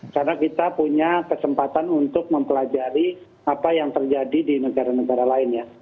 karena kita punya kesempatan untuk mempelajari apa yang terjadi di negara negara